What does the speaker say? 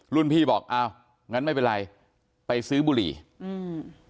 พี่บอกอ้าวงั้นไม่เป็นไรไปซื้อบุหรี่อืม